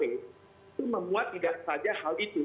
itu memuat tidak saja hal itu